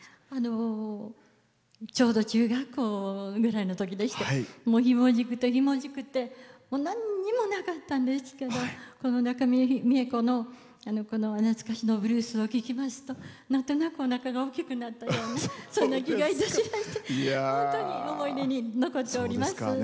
ちょうど中学校ぐらいのときでひもじくて、ひもじくてなんにもなかったんですけどこの高峰三枝子の「懐しのブルース」を聴きますとなんとなくおなかが大きくなったようなそんな気がいたしまして本当に思い出に残っております。